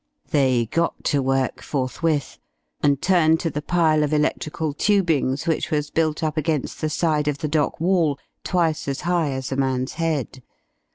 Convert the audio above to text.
They got to work forthwith, and turned to the pile of electrical tubings which was built up against the side of the dock wall, twice as high as a man's head.